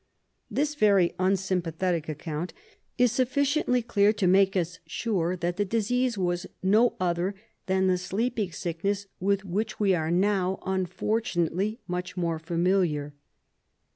This very unsympathetic account is sufficiently clear to make us sure that the disease v^as no other than the sleeping sickness with which we are now, unfortunately, much more familiar.